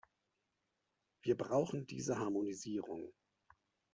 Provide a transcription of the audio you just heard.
Wir brauchen diese Harmonisierung.